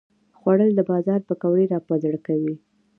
خوړل د بازار پکوړې راپه زړه کوي